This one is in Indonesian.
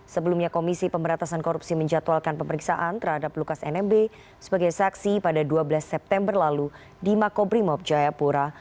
sebelumnya komisi pemberatasan korupsi menjatuhkan pemeriksaan terhadap lukas nmb sebagai saksi pada dua belas september lalu di makobrimob jayapura